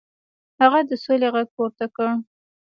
هغه د سولې غږ پورته کړ.